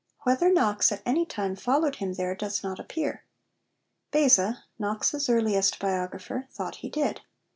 Whether Knox at any time followed him there does not appear. Beza, Knox's earliest biographer, thought he did.